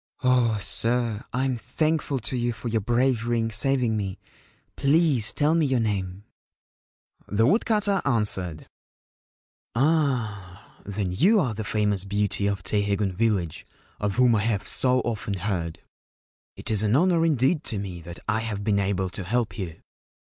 Oh, sir, I am thankful to you for your bravery in saving me. Please tell me your name/ The woodcutter answered : 'Ah, then, you are the famous beauty of Teiheigun village, of whom I have so often heard ! It is an honour indeed to me that I have been able to help you.